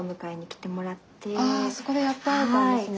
ああそこでやっと会えたんですね。